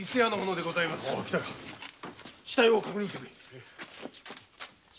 来たか死体を確認してくれ。